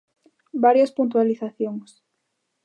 Varias puntualizacións.